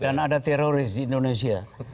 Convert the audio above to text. dan ada teroris di indonesia